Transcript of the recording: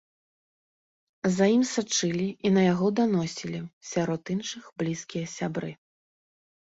За ім сачылі і на яго даносілі, сярод іншых, блізкія сябры.